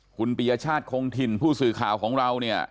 คุณปียชาติคงถิ่นผู้สื่อข่าวของเราเนี่ย